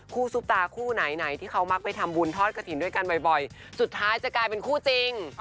ซุปตาคู่ไหนไหนที่เขามักไปทำบุญทอดกระถิ่นด้วยกันบ่อยสุดท้ายจะกลายเป็นคู่จริง